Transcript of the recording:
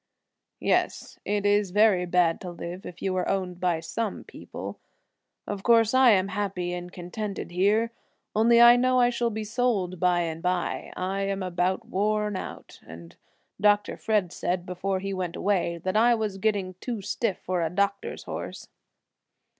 "Yes, it is very bad to live if you are owned by some people. Of course I am happy and contented here, only I know I shall be sold by and by. I am about worn out, and Dr. Fred said before he went away that I was getting too stiff for a doctor's horse."